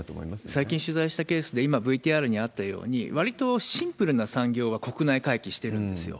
最近取材したケースで、今ＶＴＲにあったように、わりとシンプルな産業が国内回帰してるんですよ。